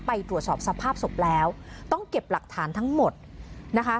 ไปตรวจสอบสภาพศพแล้วต้องเก็บหลักฐานทั้งหมดนะคะ